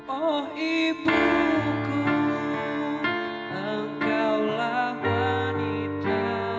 oh ibuku engkaulah wanita